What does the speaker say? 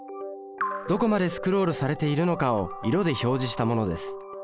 どこまでスクロールされているのかを色で表示したものです。